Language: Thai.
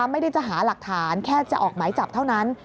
ไม่ได้จะหาหลักฐานแค่จะออกหมายจับเท่านั้น